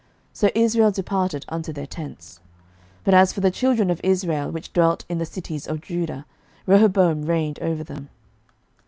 So Israel departed unto their tents. 11:012:017 But as for the children of Israel which dwelt in the cities of Judah, Rehoboam reigned over them.